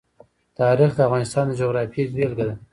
تاریخ د افغانستان د جغرافیې بېلګه ده.